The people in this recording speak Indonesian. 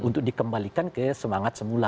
untuk dikembalikan ke semangat semula